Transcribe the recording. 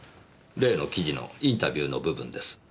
例の記事のインタビューの部分です。